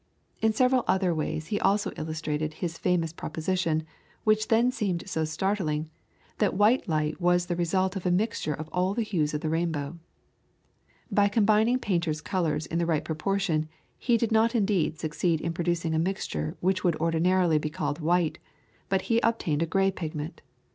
In several other ways also he illustrated his famous proposition, which then seemed so startling, that white light was the result of a mixture of all hues of the rainbow. By combining painters' colours in the right proportion he did not indeed succeed in producing a mixture which would ordinarily be called white, but he obtained a grey pigment.